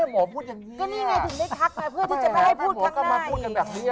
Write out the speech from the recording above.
ก็นี่ไงถึงได้ทักเนี่ย